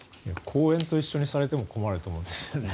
公園と一緒にされても困ると思うんですよね。